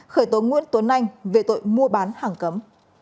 khởi tố nguyễn tuấn anh về tội mua bán hàng cấm